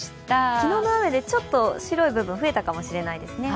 昨日の雨でちょっと白い部分増えたかもしれないですね。